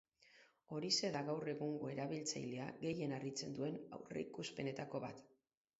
Horixe da gaur egungo erabiltzailea gehien harritzen duen aurreikuspenetako bat.